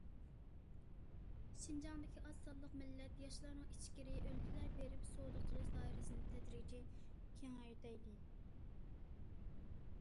شىنجاڭدىكى ئاز سانلىق مىللەت ياشلارنىڭ ئىچكىرى ئۆلكىلەرگە بېرىپ، سودا قىلىش دائىرىسىنى تەدرىجىي كېڭەيتەيلى.